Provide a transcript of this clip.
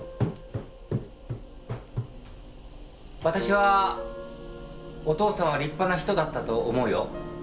私はお父さんは立派な人だったと思うよ。